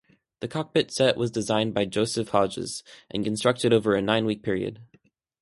The cockpit set was designed by Joseph Hodges, and constructed over a nine-week period.